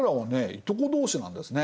いとこ同士なんですね。